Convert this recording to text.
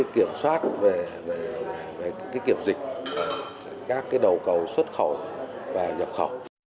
kiểm soát về kiểm dịch các đầu cầu xuất khẩu và nhập khẩu